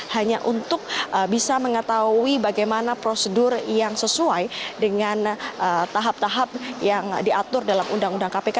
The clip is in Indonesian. hanya untuk bisa mengetahui bagaimana prosedur yang sesuai dengan tahap tahap yang diatur dalam undang undang kpk